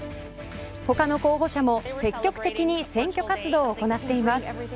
他の候補者も積極的に選挙活動を行っています。